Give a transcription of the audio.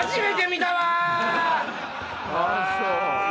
あぁそう。